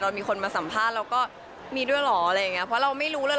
มีคนมาสัมภาษณ์เราก็มีด้วยเหรออะไรอย่างเงี้เพราะเราไม่รู้เลย